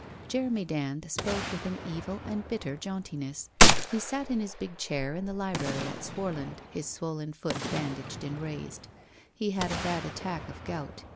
Jeremy Dand spoke with an evil and bitter jauntiness. He sat in his big chair in the library at Swarland, his swollen foot bandaged and raised. He had a bad attack of gout.